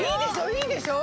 いいでしょ？